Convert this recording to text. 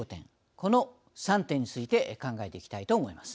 この３点について考えていきたいと思います。